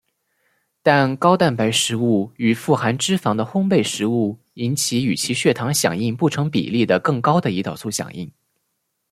但高蛋白食物与富含脂肪的烘培食物引起与其血糖响应不成比例的的更高的胰岛素响应。